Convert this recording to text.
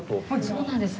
そうなんです。